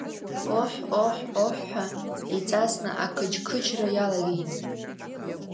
Оҳ, оҳ, оҳ, ҳәа, еиҵасны ақыџьқыџьра иалагеит.